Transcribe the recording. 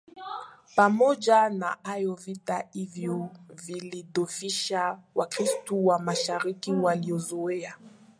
Pamoja na hayo vita hivyo vilidhoofisha Wakristo wa Mashariki waliozoea